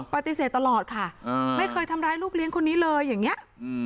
ปฏิเสธตลอดค่ะไม่เคยทำร้ายลูกเลี้ยงคนนี้เลยอย่างนี้